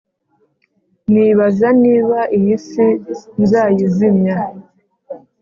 Nibaza niba iyi si nzayizimya